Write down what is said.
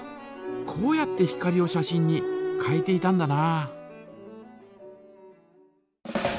こうやって光を写真に変えていたんだな。